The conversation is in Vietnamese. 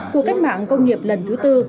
cuộc cách mạng công nghiệp lần thứ tư